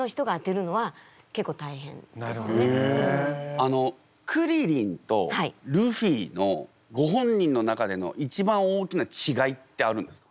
あのクリリンとルフィのご本人の中での一番大きな違いってあるんですか？